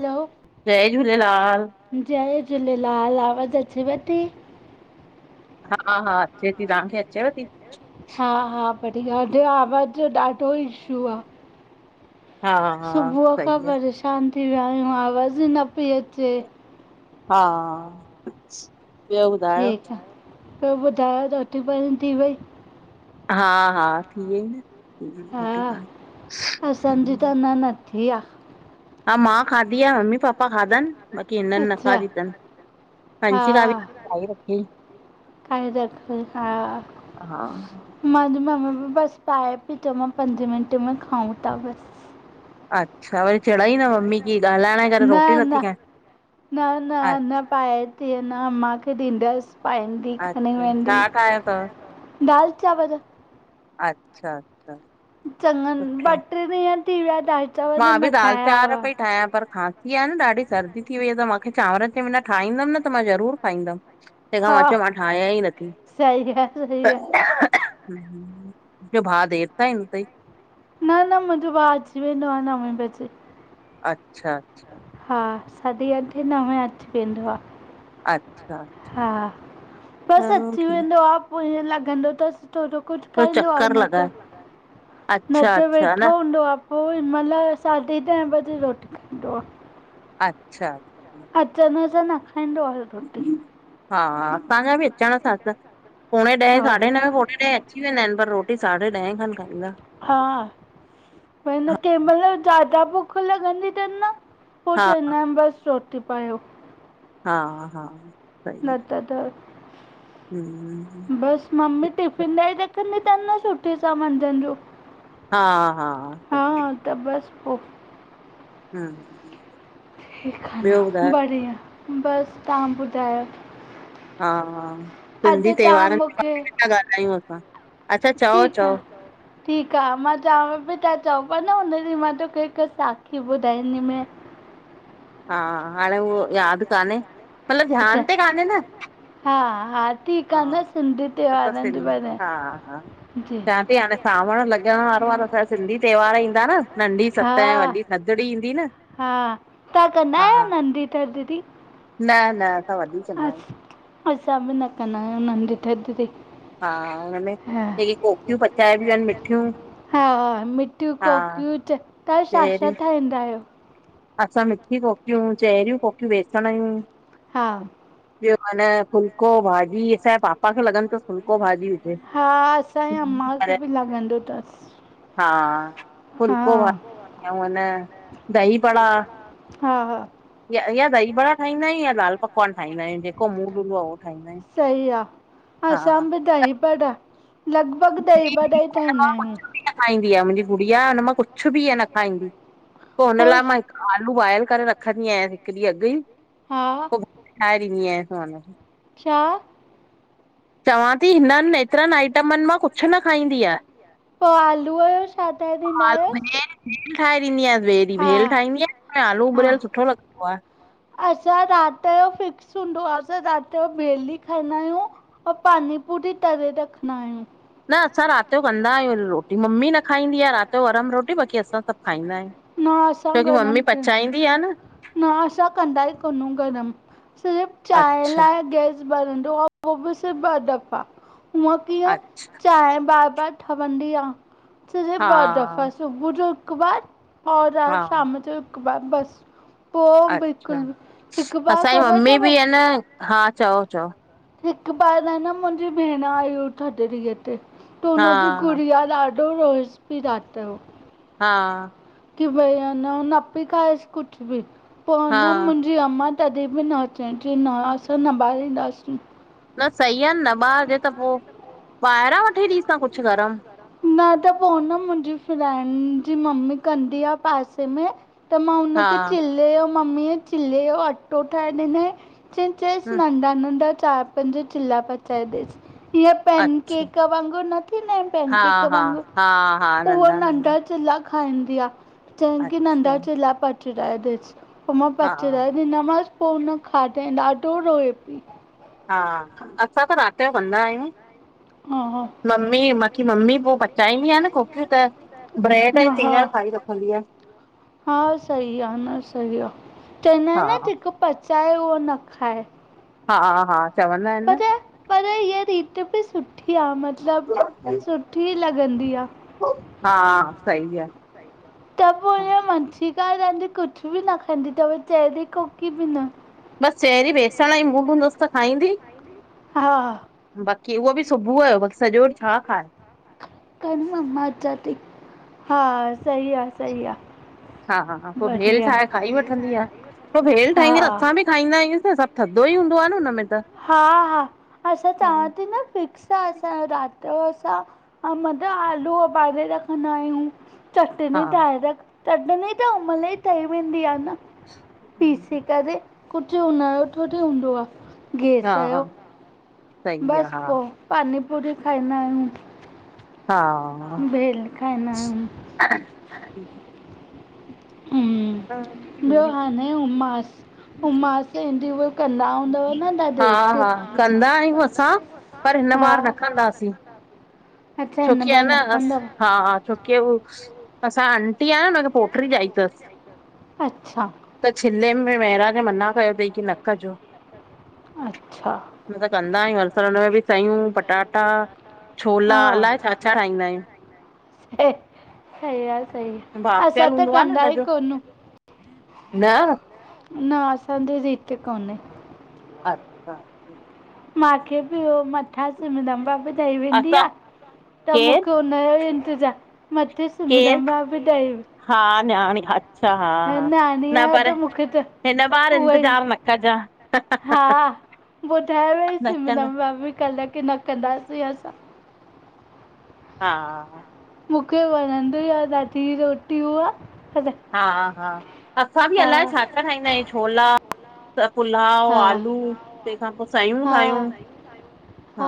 Hello [inaudible] जय झूलेलाल। जय झूलेलाल, आवाज़ अचेव ती? हा हा अचे ती, तव्हांखे अचेव थी? हा हा बढ़िया बियो? आवाज़ जो ॾाढो ईशू आ। हा हा सुबुह खां सही आ। परेशान थी विया आहियूं, आवाज़ु ई न पई अचे। हा ॿियो ॿुधायो? ठीकु आ, ॿियो ॿुधायो रोटी पाणी थी वई? हा हा, थीे वई न। थी वई रोटी हा, पाणी। असांजी त अञा न थी आ हा, मां खाधी आ, मम्मी पापा खाधनि, बाकी हिननि न अच्छा खाधी तनि। वंशिका बि ठाहे रखियंई खांईदस हा हा। मांहंजी मम्मी बि बसि पाए पई, चयमांस पंजे मिंट में खाऊं था बसि। अच्छा, वरी चढ़ाई न मम्मी की ॻाल्हाइण जे करे न रोटी न नथी खाए। न न अच्छा, न, पाए थी अञा, मांखे ॾींदसि पाए अच्छा छा ठाहियो तव? [unintelligible] दाल चांवर अच्छा, अच्छा चङनि, ॿ सुठो। ट्रे ॾींहं थी विया ठाहे मां बि दाल चांवर पई ठाहियां पर खां इअं आ न ॾाढी सर्दी थी वई आ, त मांखे चांवरनि कंहिं महिल ठाहींदमि न, त मां ज़रुर खाईंदमि। तंहिंखां हा मां चयो, मां ठाहियां ई नथी सही आहे सही आहे ॿियो भाउ देर ताईं ईंदों तई? न न, मुंहिंजो भाउ अची वेंदो आहे नवे बजे। अच्छा अच्छा हा, साढी अठे नवें अची वेंदो आ। अच्छा हा, बसि चलो अची ठीक वेंदो आ, पोइ ईअं लॻंदो तस थोड़ो कुछ थोरो खाईंदो आ चक्कर नत, लॻाए अच्छा नत अच्छा न वेठो हूंदो आ उहो हिन महिल साढे ॾहें बजे रोटी खाईंदो आ। अच्छा अचण सां न खाइंदो आ रोटी हा, तांखे बि अचण सां [unintelligible] पोणे ॾहें, हा साढे नवे पोणे ॾहें अची वेंदा आहिनि, पर रोटी साढे ॾहें खनि खाईंदा। हा, पर न हा कंहिं महिल ज्यादा भुख लॻंदी तनि न पो हा चईंदा इन, बसि रोटी पायो। हा हा नत त हम्म, हम्म बस, मम्मी टिफिन ॾेई रखंदी तन न, सुठे सां मझंद जो। हा हा हा सही आ त बस पोइ हम्म ठीकु आ न? बढ़िया, बसि तव्हां ॿुधायो? हा हा, सिंधी अॼु तव्हां त्योहारनि जे मूंखे बारे में था ॻाल्हायूं असां, अच्छा, चओ ठीकु चओ आहे ठीकु आ, मां चवां पई, तव्हां चओ पिया न हुन ॾींंहं, मां तोखे हिक साखी ॿुधाईंदी में हा, हाणे उहो यादि कान्हे, मतिलबु अच्छा ध्यान ते कान्हे न हा हा, ठीकु हा आ न, सिंधी त्यौहारिन जे बारे चां थी हाणे, सावण लॻण वारो आ, त सिंधी त्योहार ईंदा न नंढी हा सत ऐं वॾी थधड़ी ईंदी न हा, तव्हां कंदा आहियो हा नंढी थधडी? न न असां वॾी कंदा अं आहियूं असां बि न कंदा आयूं नंढी थधड़ी। हा, हुनमें जेकी कोकियूं पचाइबियूं आहिनि मिठियूं। हा, मिठियूं हा कोकियूं तव्हां, छा- छा चेरियूं ठाहींदा आहियो? असां, मिठी कोकियूं, चहरियूं कोकियूं बेसण यूं। हा ॿियो अन फुल्को भाॼी। असांजे पापा खे लगंदो तस फुल्को भाॼी हुजे। हा, असांजे अम्मा पर खे बि लॻंदो तसि। हा, फुल्को भा उऊं अं न दही वड़ा हा हा या दही बड़ा ठाहींदा आयूं, या दाल पकवान ठाहींदा आहियूं। जेको मूड हूंदो आ उहो। ठाहींदा आहियूं। सही आ। असां हा बि दही बड़ा लॻभॻि ॾही बडा ई ठाहींदा कुछ आहियूं। न खाईंदी आहे। मुंहिंजी गुड़िया, हुन मां कुछु बि हीअ न खाईंदी, पो हुन पोइ लाइ मां आलू बॉयल करे रखंदी आहियांसि, हिकु डिअ अॻु ई। में हा पो ठाए ॾींदी आहियांसि मां। छा? चवां थी, हिननि एतिरनि आइटमनि मां कुछु न खाईंदी आ। पो आलूअ जो छा ठाहे ॾींदा आलू आहियोस? भेल [unintelligible] ठाहे ॾींदीआयांस ॿे ॾीहुं भेल ठाहींदी आहियांसि उन्हमें आलू हा उॿरियलु सुठो लॻंदो आ। असां राति यो फिक्स हुंदो आ असां राति यो भेल ही खाईंदा आहियूं। अंउ पानी पूरी तरे रखदा आहियूं। न असां राति ॼो कंदा आहियूं रो रोटी मम्मी न खाईंदी आ राति ॼो गरम रोटी बाक़ी असां सब खाईंदा आहियूं। न असां क्योंकि मम्मी गरम पचाईंदी आ न। न असां कन्दा ई कोन्ह आहियूं गरमु, सिर्फ़ु चांहि अच्छा लाये गैस ॿरंदो आ उहो भी सिर्फ ॿ दफ़ा, हुंअं कींअं अच्छा चायं बारु- बारु ठवन्दी आ। सिर्फ हा ॿ दफ़ा, सुबुअ जो हिकु बारु और हा शाम ॼो हिकु ॿार बसि पो अच्छा बिल्कुलु ॿि हिकु बार असांजी ख़बर मम्मी तव बि आहे न हा चओ चओ हिकु बार आ न मुंहिंजी भेंण आई हुई थधड़ीअ ते, त हा हुनजी हा गुड़िया ॾा ढो रोएसि पी रात यो हा की भई अ न पी खाएसि कुछु बी पो न हा मुंहिंज जी अम्मां तॾिहिं ॿि न चईं कि न असां न ॿारींदासी। न सही आ, न ॿारजे त पो ॿाहिरां वठी ॾींस हां कुछु गरमु। न त पो, अ न मुंहिंजी फ्रेंड जी मम्मी कंदी आ पासे में त मां हा हुनखे चिल्ले यो मम्मीअ चिल्ले यो अटो ठाहे ॾिनईं। चयईं, चईस ह नन्ढा- नन्ढा चारि पंज चिल्ला पच् चाए डि्सु हीय पैन अच्छा केक वांगुरु न थींदा हिनि पैन् हा केक हा वांगुरु, हा हा पर हो नंढा नंढा नन्ढा चिल्ला खाईंदी आ, चंई कि अच्छा नन्ढा चिल्ला पचराए‌ ॾेस। पो मां हा पचराए ॾिना मासि, पो उन खाधई। ॾाढो रोए पी। हा असां त राति यो कंदा आहियूं, हा मम्मी मन् की मम्मी पो पचाईंदी आ न कोकियूं त ब्रेड ऐं हा हा सिॻर खाई रखंदी आ। हा सही आ न सही आ चेईंदा इन न जेको पचाए उहो न खाए हा हा चवंदा इनि न च पर हीअ रीति ॿि सुठी आ मतिलबु सुठी लॻंदी आ। हा सही आ। त पो हे वंशीका रहंदी कुझु बि न खाईंदी तव चहिरी कोकी बि न। बस चहिरी बेसंणं जी मूड हूंदुस त खाईंदी। हा हा बाक़ी उहो बि सुबुअ जो बाकी सजो डींहुं छा खाए। कर न मां अचां ती, हा सही आ सही आ। हा हा हा पो भेल ठाहे खाई वठंदी आ, पो भेल हा ठाहींदी न असां बि खाईंदा आहियूस न सभु थद्धोई हूंदो आ न उन्में त। हा हा असां चवां ती न फिक्स त असां राति जो असां अमद आलू ओबारे रखंदा आहियूं। चटनी हा ठाहे रख, चटनी त उमहल ई ठही वेंदी आ न। पीसे करे कुझु हुन यो थोड़ी हुंदो आ गैस हा यो। सही आ बस पो पानी पुरी खाईंदा आहियूं। हा भेल खाईंदा आहियूं। [inaudible] हम्म ॿियो हा हाने उमास उमास इंटरव्यू कंदा हूंदव न दादी हा एक्ट हा कंदा आहियूं असां पर हिन बार न कंदासीं, हा हिन छोकी अ बार कंदासीं अच्छा हिन बार न अस कंदव हा हा छो के हू असां आंटी आय न हुनखे पोट्री ॼाई तसि। अच्छा त छिल्ले में महिराज मना कयो तई की न कजो अच्छा असां कंदा आहियूं हर साल हुन में बि सयूं पटाटा छोला हा अलाये छा छा ठाहींदा आहियूं। ऐ सही आ सही आ असां बाफ़ियल त हूंदो आहे न कंदा ई हिनजो कोनू न न असांजी रीत कोने अच्छा मांखे बि ओ मथां सिम दंबा बि ॾई वेंदी असां आ त केरु मूंखे नयो इंतजा मथे केरु सिमरन भाभी ॾेई हा नयाणी अच्छा हा हा नानी न आहे पर त मूंखे त हिन बार उहा ई इंतज़ाम न कजा--ह-ह-ह ॿुधायो वई सिमरन भाभी कल कि न कंदासीं असां। हा हा मूंखे वणंदो ई आ ॾाढी रोटी उहा हा हा असां बि हा अलाए छा छा ठाहींदा आहियूं छोला त पुलाव हा आलू तेखा पो सयूं ठाहियूं हा हा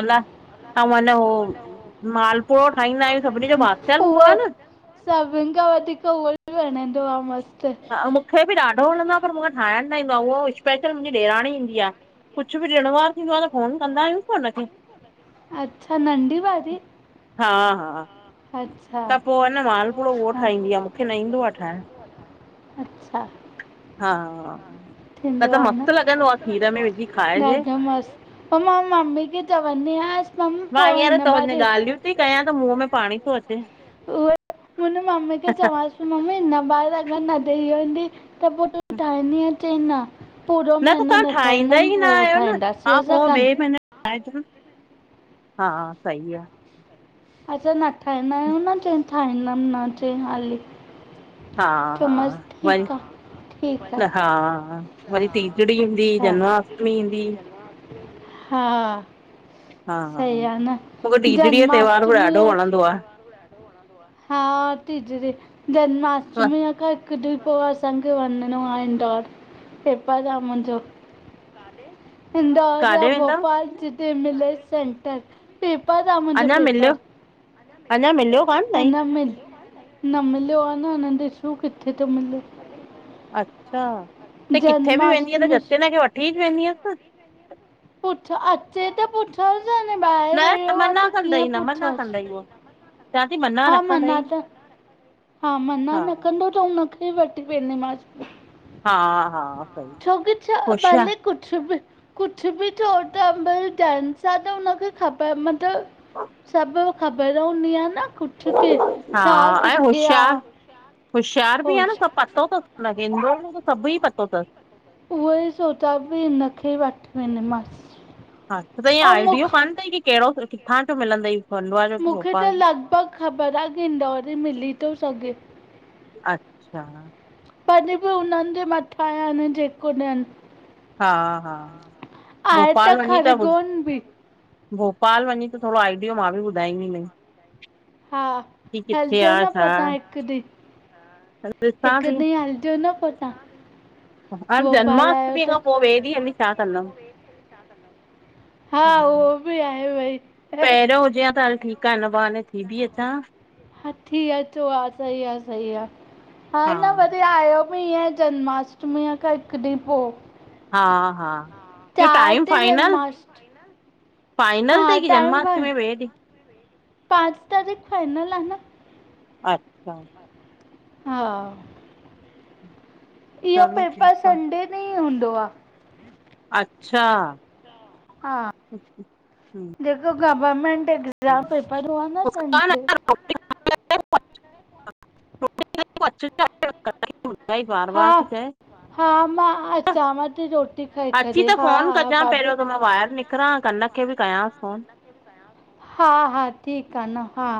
अलाए अऊं ह न हो मालपुडो ठाहींदा आहियूं सभिनी जो बासियल हूंदो आ न सभिन खां वधीक उहो बि वणंदो आ मस्त - - हा, मुखे बि ॾाढो वणंदो आ पर मुंखे ठाहिण न ईंदो आ, उहा स्पेशल मुंजी ॾेराणी ईंदी आ कुछ बि ॾिणवार थींदो आ, त फोन कंदा आहियूं न हुनखे अच्छा नंढी वारी? हा - हा अच्छा, त पोइ अन त पो ह मालपुड़ो न मांजो उहो हा ठाहींदी आहे हुवो मूंखे न ठाहिंदी आ ईंदो आहे मुखे न ठाहिण हींदो आ ठायण अच्छा हा न थींदो त आ न-न मस्तु त लॻंदो आहे मस्त खीर लगंदो में आ विझी खीर मे खाइजे ढाॾो मस्त पो मां मम्मी खें चवंदी आहिस मां हींअर त हुन ॻाल्हियूं थी कयां त मुंहं में पाणी थो अचे। उहे हुन मम्मी खे चवांसि मम्मी न बाहर अगर न ॾेई वञे। त पो तू ठाईंदी ए कि न? पूरो त महनो तव्हां न ठाहींदा ठाइंदम ई न पो आहियो न। ठहंदासीं हा पो असां कन ॿिए महीने हा सही आहे [unintelligible] असां न ठाहींदा आहियूं न च ठाहींदम न चय हाली। हा - हा चयोमांसि वरी ठीकु आहे ठीकु न आहे हा-हा वरी तीजड़ी ईंदी हा जन्माष्टमी ईंदी हा हा हा सही आ न, मूंखे टीजड़ीअ जो त्योहार बि जन्माष्टमी ॾाढो आहे वणंदो आ। हा तीजरी जनमाष्टमी खां हिक ॾि पो असांंखे वञणो आ इंदौर पेपर आ मुंजो इंदौर यां काॾे वेंदव? भोपाल जिते मिलें सेंटर, पेपर आ मुंजो अञा मिलियो, पेपर अञा मिलियो कान ताईं? अञा मिल न मिलियो आ न हुन ॾिसूं किथे थो मिले। अच्छा त किथे बि वेंदी आहे त जन्माष्टमी जतिन खे वठी वेंदी अस न? पुठयां अचे त पुठ न त मना कंदई न मना पुछांसि कंदई उहो, चवां थी मना हा न कंदई। त हा मना न कंदो त हुनखे भी वठी वेंदी मास। हा छोकी छा होशियार, भले कुछ बि कुछ बि थयों ट्रबल कैंसा त हुनन खे खपे मत सब ख़बर हूंदी आहे न कुछ के हा छा ऐं किथ होशियार होशियार बि आहे न सभ पतो थस हुनखे, हुनखे त सभ ई पतो थस। उहे ई सोचा थी हिनखे ई वठी वेंदी मांस। हा त इअं आइडियो काने थई की कहिड़ो किथां जो मिलंदई। खंडवा जो की मुखे भोपाल त जो? लॻभॻ ख़बर आ, की इंदौर में मिली थो सघे। अच्छा तडी बि उन्हन जे मथां आहे जेको ॾियन। हा-हा आहे भोपाल वञी त ॿ खरगोन बि भोपाल वञी त थोरो आइडियो मां बि ॿुधाईंदी मै। हा हलजो न पो तव्हां आहे। हिकु ॾींह। ॾिसां हिकु थी ॾींह हलजो न पो तव्हां हा भोपाल आहियो जनमष्टमी त खां पो ॿे डिह हली छा कंदम? हा उहो बि आहे भई पहिरो हुजे हा त हल ठीक ठीक आ हिन बहाने थी बि अचां हां। थी अचो हा सही आ, सही आ, हा न भले आटो अ में ईअं जन्माष्टमी खां हिक ॾींह पो। हा हा ॿियो टाइम ते फाइनल? जन्माष्टमी फाइनल हा तई की टाइम जन्माष्टमी फाइन में वेंदी पांच तारीख फाइनल आ न। अच्छा। हा। इहो चलो पेपर ठीकु आ। संडे ॾींंहु हूंदो आ। अच्छा। हा जेको गवर्मेंट एग्ज़ाम पेपर हुआ न मुस्कान संडे [unintelligible] [unintelligible] [inaudible] [unintelligible] बार हा बार थी चए हा मां अचांव ती रोटी खाई करे। हा, हा भाभी न निकरां कनक खे बि कयांसि फोन। हा, हा ठीकु आ न हा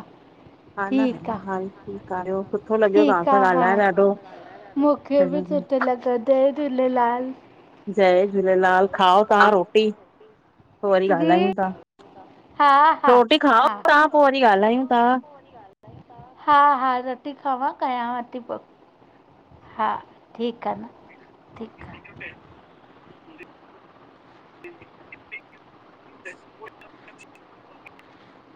हा न ठीकु आहे हल ठीकु आ, सुठो लॻो तव्हां ठीकु सां आहे हा ॻाल्हाइणु ॾाढो। मूंखे बि हम्म, सुठो लॻो, जय झूलेलाल। जय झूलेलाल, खाओ तव्हां रोटी पो वरी जी ॻाल्हायूं ता। हा हा रोटी खाओ हा तव्हां, पो वरी ॻाल्हायूं ता। हा हा रोटी खावां, कयांव ती पो। हा ठीकु आ न ठीकु आ। [unintelligible] [inaudible]